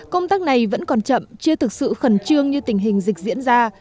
công tác này vẫn còn chậm chưa thực sự khẩn trương như tình hình dịch diễn ra